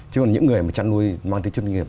chứ những người mà chân nuôi mang tính chất chuyên nghiệp